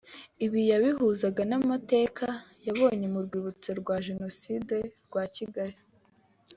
Ibi yabihuzaga n’amateka yabonye mu Rwibutso rwa Jenoside rwa Kigali